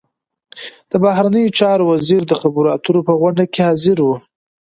د بهرنیو چارو وزیر د خبرو اترو په غونډه کې حاضر و.